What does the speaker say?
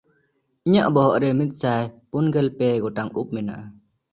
ᱤᱧᱟᱜ ᱵᱚᱦᱚᱜ ᱨᱮ ᱢᱤᱫᱥᱟᱭ ᱯᱩᱱᱜᱮᱞ ᱯᱮ ᱜᱚᱴᱟᱝ ᱩᱵ ᱢᱮᱱᱟᱜᱼᱟ᱾